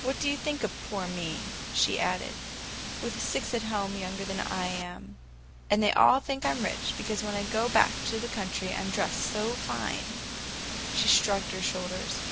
"What do you think of poor me?" she added; "with six at home, younger than I am? And they all think I'm rich, because when I go back to the country I'm dressed so fine!" She shrugged her shoulders.